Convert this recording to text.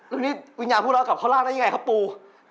แล้วนี่วิญญาณพวกเราเอากลับเข้าล่างได้ยังไงครับปู